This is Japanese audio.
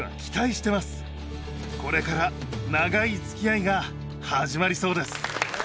これから長い付き合いが始まりそうです。